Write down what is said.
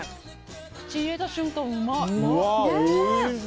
口入れた瞬間、うまっ！